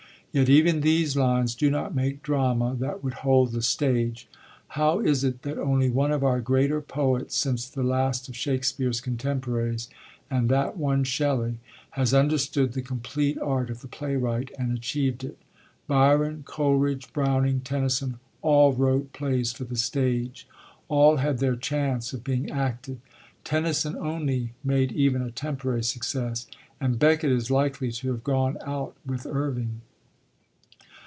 Yet even these lines do not make drama that would hold the stage. How is it that only one of our greater poets since the last of Shakespeare's contemporaries, and that one Shelley, has understood the complete art of the playwright, and achieved it? Byron, Coleridge, Browning, Tennyson, all wrote plays for the stage; all had their chance of being acted; Tennyson only made even a temporary success, and Becket is likely to have gone out with Irving.